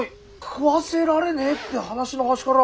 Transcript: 食わせられねえって話の端から。